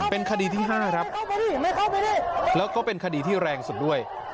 เป็นคดีที่๕ครับแล้วก็เป็นคดีที่แรงสุดด้วย